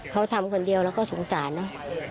เขาทำคนเดียวแล้วก็สงสารนะ